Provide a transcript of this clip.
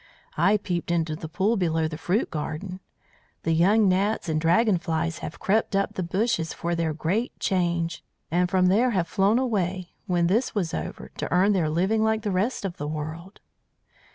"I peeped into the pool below the fruit garden. The young gnats and dragon flies have crept up the bushes for their great change, and from there have flown away, when this was over, to earn their living like the rest of the world.